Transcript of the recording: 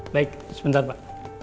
baik sebentar pak